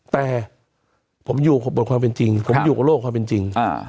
แต่ผมอยู่บกับโลกความเป็นจริง